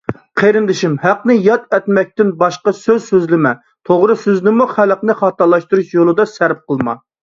قېرىندىشىم، ھەقنى ياد ئەتمەكتىن باشقا سۆز سۆزلىمە. توغرا سۆزنىمۇ خەلقنى خاتالاشتۇرۇش يولىدا سەرپ قىلما.